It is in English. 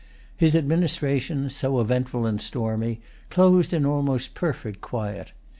His administration, so eventful and stormy, closed in almost perfect quiet.